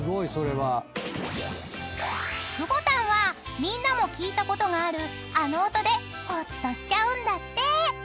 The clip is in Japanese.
［くぼたんはみんなも聞いたことがあるあの音でほっとしちゃうんだって］